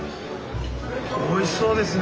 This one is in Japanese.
おいしそうですね！